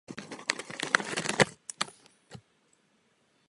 Symboly posvětil generální vikář olomoucké arcidiecéze mons.